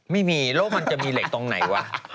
ไม่มีแล้วมันจะมีเหล็กตรงไหนวะ